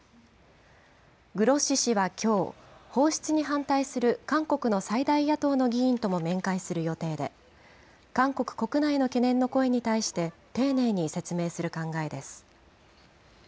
グロッシ氏はきょう、放出に反対する韓国の最大野党の議員とも面会する予定で、韓国国内の懸念の声に対して、丁寧に説明する考えです。